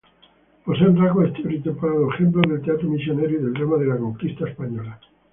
Poseen rasgos estereotipados ejemplos del teatro misionero y del drama de la Conquista española.